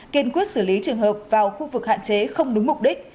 kiên quyết xử lý trường hợp vào khu vực hạn chế không đúng mục đích